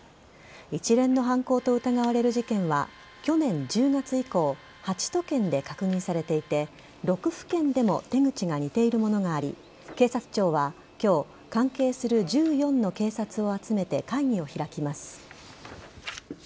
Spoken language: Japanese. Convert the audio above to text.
一連の犯行と疑われる事件は去年１０月以降８都県で確認されていて６府県でも手口が似ているものがあり警察庁は今日関係する１４の警察を集めて会議を開きます。